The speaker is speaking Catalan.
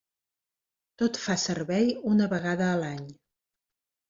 Tot fa servei una vegada a l'any.